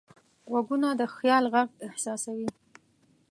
غوږونه د خیال غږ احساسوي